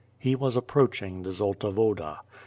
^ He was approaching the Zolta Woda.